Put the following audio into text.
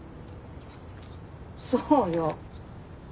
そうよ。